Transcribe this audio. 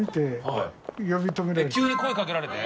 急に声かけられて？